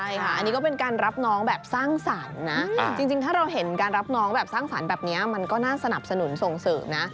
ใช่ค่ะอันนี้ก็เป็นการรับน้องแบบสร้างสรรค์นะจริงถ้าเราเห็นการรับน้องแบบสร้างสรรค์แบบนี้มันก็น่าสนับสนุนส่งเสริมนะ